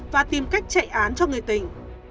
và tìm cách chạy án cho người tình